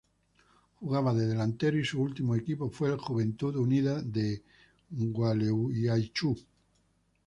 Jugaba de delantero y su último equipo fue Juventud Unida de Gualeguaychú.